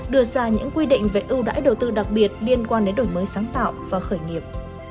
đưa ra những quy định về ưu đãi đầu tư đặc biệt liên quan đến đổi mới sáng tạo và khởi nghiệp